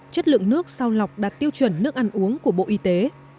chất lượng nước sau lọc đạt tiêu chuẩn nước ăn uống của bộ y tế